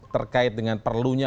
terkait dengan perlunya